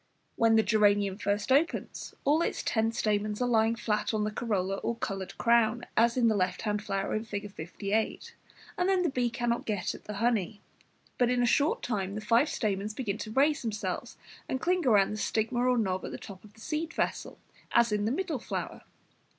When the geranium first opens, all its ten stamens are lying flat on the corolla or coloured crown, as in the left hand flower in Fig. 58, and then the bee cannot get at the honey. But in a short time five stamens begin to raise themselves and cling round the stigma or knob at the top of the seed vessel, as in the middle flower.